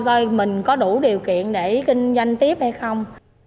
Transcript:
coi mình có đủ điều kiện để kinh doanh tiếp hay không